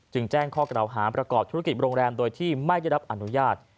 แจ้งข้อกล่าวหาประกอบธุรกิจโรงแรมโดยที่ไม่ได้รับอนุญาต